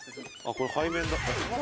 これ背面だ。